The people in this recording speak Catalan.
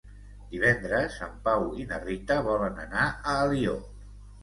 Divendres en Pau i na Rita volen anar a Alió.